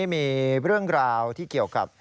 มีเรื่องราวที่เกี่ยวกับ